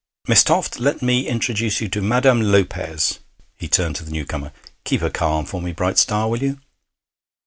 'Miss Toft, let me introduce you to Madame Lopez.' He turned to the newcomer. 'Keep her calm for me, bright star, will you?'